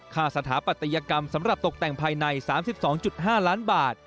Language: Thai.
สถาปัตยกรรมสำหรับตกแต่งภายใน๓๒๕ล้านบาท